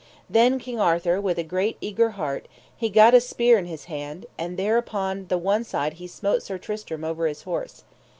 Then King Arthur with a great eager heart he gat a spear in his hand, and there upon the one side he smote Sir Tristram over his horse.